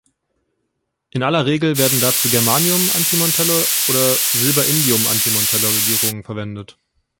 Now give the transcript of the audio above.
In aller Regel werden dazu Germanium-Antimon-Tellur- oder Silber-Indium-Antimon-Tellur-Legierungen verwendet.